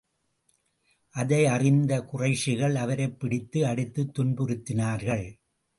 அதை அறிந்த குறைஷிகள், அவரைப் பிடித்து அடித்துத் துன்புறுத்தினார்கள்.